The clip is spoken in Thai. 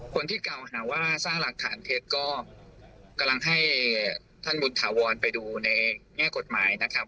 คนที่กล่าวหาว่าสร้างหลักฐานเท็จก็กำลังให้ท่านบุญถาวรไปดูในแง่กฎหมายนะครับ